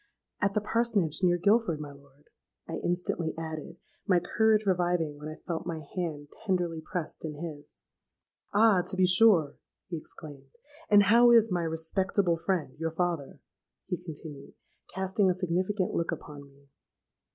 —'At the Parsonage, near Guilford, my lord,' I instantly added, my courage reviving when I felt my hand tenderly pressed in his.—'Ah! to be sure,' he exclaimed; 'and how is my respectable friend, your father?' he continued, casting a significant look upon me.